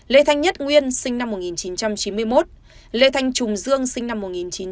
lê thanh nhất nguyên sinh năm một nghìn chín trăm chín mươi một lê thanh trùng dương sinh năm một nghìn chín trăm chín mươi